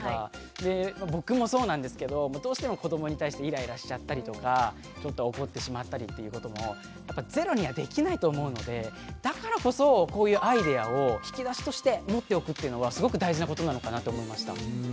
で僕もそうなんですけどどうしても子どもに対してイライラしちゃったりとかちょっと怒ってしまったりっていうこともやっぱゼロにはできないと思うのでだからこそこういうアイデアを引き出しとして持っておくっていうのはすごく大事なことなのかなと思いました。